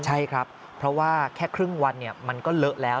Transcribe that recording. ใช่ครับเพราะว่าแค่ครึ่งวันมันก็เลอะแล้ว